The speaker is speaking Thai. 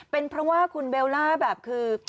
เป็นเพราะว่าคุณเบลล่าแบบคือ